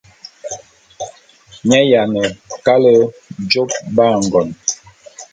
Mi ayiane kale jôp ba ngon.